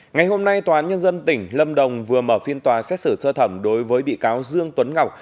ngày hôm nay tòa án nhân dân tỉnh lâm đồng vừa mở phiên tòa xét xử sơ thẩm đối với bị cáo dương tuấn ngọc